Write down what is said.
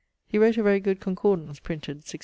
He wrote a very good concordance, printed <1671>.